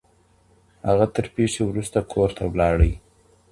هغه تر پېښي وروسته کور ته ولاړی.